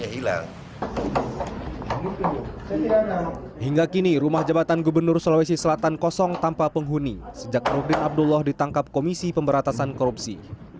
hingga kini rumah jabatan gubernur sulawesi selatan kosong tanpa penghuni sejak rudin abdullah ditangkap komisi pemberatasan korupsi